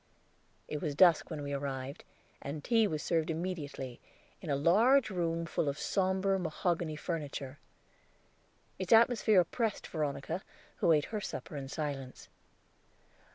It was dusk when we arrived, and tea was served immediately, in a large room full of somber mahogany furniture. Its atmosphere oppressed Veronica, who ate her supper in silence.